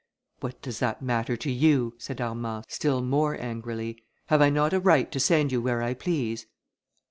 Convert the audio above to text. "What does that matter to you," said Armand, still more angrily, "have I not a right to send you where I please?"